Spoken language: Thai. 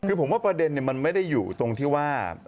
คือผมว่าประเด็นมันไม่ได้อยู่ตรงที่ว่า